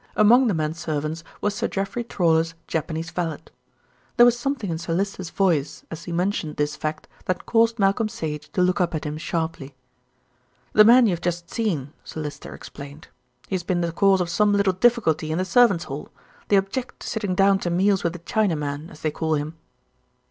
Among the men servants was Sir Jeffrey Trawler's Japanese valet. There was something in Sir Lyster's voice as he mentioned this fact that caused Malcolm Sage to look up at him sharply. "The man you have just seen," Sir Lyster explained. "He has been the cause of some little difficulty in the servants' hall. They object to sitting down to meals with a Chinaman, as they call him.